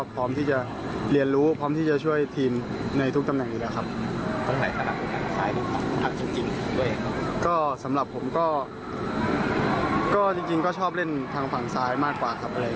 ก็จริงก็ชอบเล่นทางฝั่งซ้ายมากกว่าครับ